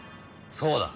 そうだ。